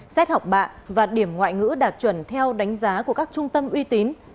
xét học bạ và điểm ngoại ngữ đạt chuẩn theo đánh giá của các trung tâm uy tín